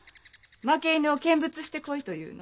負け犬を見物してこいと言うの？